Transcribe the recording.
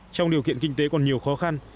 trong điều kiện kinh tế còn nhiều khó khăn